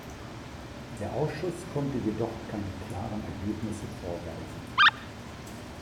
Der Ausschuss konnte jedoch keine klaren Ergebnisse vorweisen.